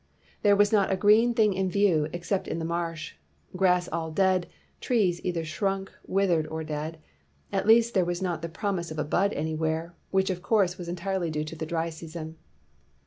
There was not a green thing in view, except in the marsh; grass all dead, trees either shrunk, with ered, or dead, — at least there was not the promise of a bud anywhere, which of course was entirely due to the dry season.